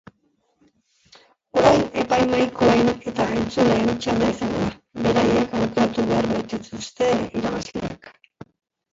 Orain epaimahaikoen eta entzuleen txanda izango da, beraiek aukeratu behar baitituzte irabazleak.